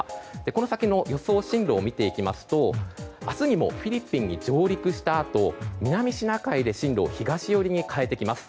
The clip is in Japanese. この先の予想進路を見ていきますと明日にもフィリピンに上陸したあと南シナ海で進路を東寄りに変えてきます。